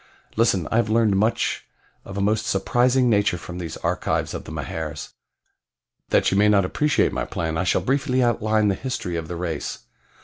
Listen, I have learned much of a most surprising nature from these archives of the Mahars. That you may appreciate my plan I shall briefly outline the history of the race.